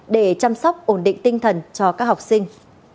để chăm sóc ổn định tinh thần cho các học sinh